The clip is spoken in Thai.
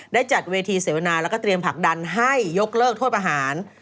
ได้จัดเวทีเสวนาแล้วก็เตรียมผลักดันให้ยกเลิกโทษประหาร